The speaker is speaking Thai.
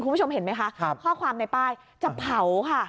คุณผู้ชมเห็นไหมคะข้อความในป้ายจะเผาค่ะ